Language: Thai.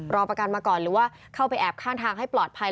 รอประกันมาก่อนหรือว่าเข้าไปแอบข้างทางให้ปลอดภัย